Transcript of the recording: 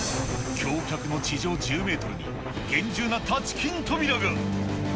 橋脚の地上１０メートルに、厳重なタチキン扉が。